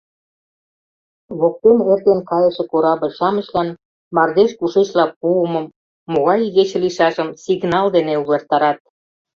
Воктен эртен кайыше корабль-шамычлан мардеж кушечла пуымым, могай игече лийшашым сигнал дене увертарат.